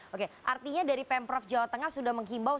oke artinya dari pemprov jawa tengah sudah menghimbau